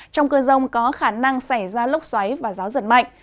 trong cơn rông có khả năng xảy ra lốc xoáy và gió giật mạnh